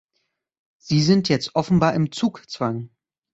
Sie sind jetzt offenbar im Zugzwang.